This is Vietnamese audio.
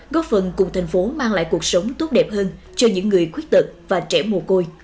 góp phần cùng thành phố mang lại cuộc sống tốt đẹp hơn cho những người khuyết tật và trẻ mồ côi